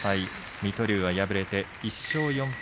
水戸龍、敗れて１勝４敗。